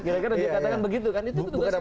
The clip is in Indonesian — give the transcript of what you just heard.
kira kira dikatakan begitu kan itu tugasnya